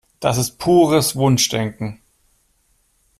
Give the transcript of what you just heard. Das ist pures Wunschdenken.